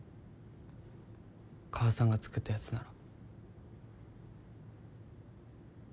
母さんが作ったやつなら。